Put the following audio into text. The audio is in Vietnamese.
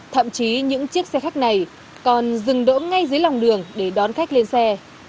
thậm chí những chiếc xe khách này còn dừng đỗ ngay dưới lòng đường để đón khách lên xe